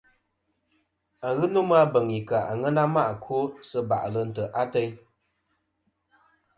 Aghɨ nomɨ a beŋ i ka àŋena ma' ɨkwo sɨ bà'lɨ ntè' ateyn.